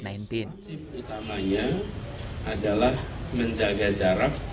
prinsip utamanya adalah menjaga jarak